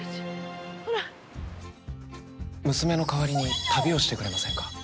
「娘の代わりに旅をしてくれませんか？」。